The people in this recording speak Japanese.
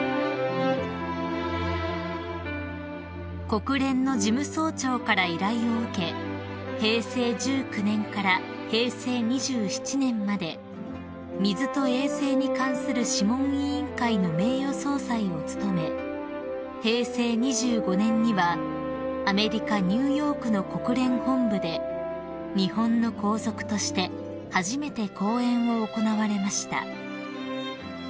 ［国連の事務総長から依頼を受け平成１９年から平成２７年まで水と衛生に関する諮問委員会の名誉総裁を務め平成２５年にはアメリカニューヨークの国連本部で日本の皇族として初めて講演を行われました］